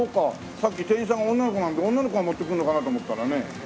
さっき店員さんが女の子なんで女の子が持ってくるのかなと思ったらね。